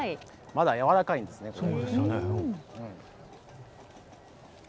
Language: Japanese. まだ、やわらかいですね。